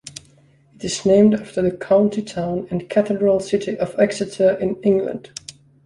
It is named after the county town and cathedral city of Exeter in England.